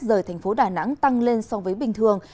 rời thành phố đà nẵng tăng lên so với bình thường